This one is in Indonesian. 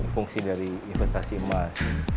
fungsi dari investasi emas